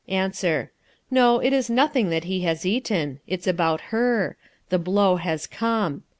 Answer. No, it is nothing that he has eaten. It's about her. The blow has come.